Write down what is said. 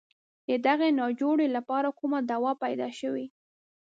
د دغې ناجوړې لپاره کومه دوا پیدا شوې.